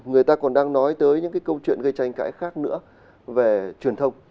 người ta còn đang nói tới những cái câu chuyện gây tranh cãi khác nữa về truyền thông